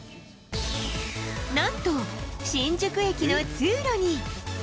なんと、新宿駅の通路に。